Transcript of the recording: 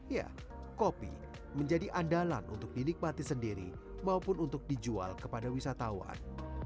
ya kopi menjadi andalan untuk dinikmati sendiri maupun untuk dijual kepada wisatawan